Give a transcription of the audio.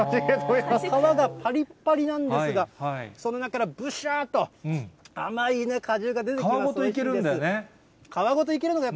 皮がぱりっぱりなんですが、その中からぶしゃーっと、甘い果皮ごといけるんだよね。